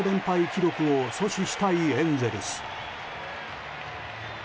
記録を阻止したいエンゼルス。